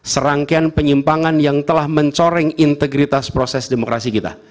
serangkaian penyimpangan yang telah mencoreng integritas proses demokrasi kita